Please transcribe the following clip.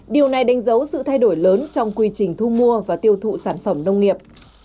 điều này đánh dấu sự thay đổi lớn trong quy trình thu mua và tiêu thụ sản phẩm nông nghiệp